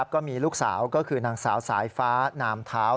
ก็มีลูกสาวก็คือนางสาวสายฟ้านามเท้า